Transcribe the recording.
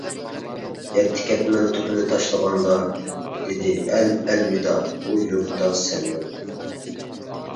يەتتە كەتمەن توپىنى تاشلىغاندا، دېدى ئەل ئەلۋىدا، بۇ يۇرتتا سەن يوق!